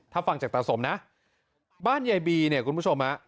ถ้าฟังจากตาสมนะบ้านยายบีเนี่ยคุณผู้ชมฮะ